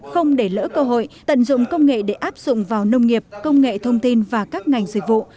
không để lỡ cơ hội tận dụng công nghệ để áp dụng vào nông nghiệp công nghệ thông tin và các ngành dịch vụ